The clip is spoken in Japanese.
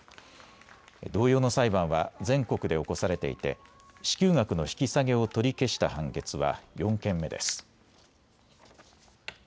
同様の裁判は全国で起こされていて支給額の引き下げを取り消した判決は４件目です。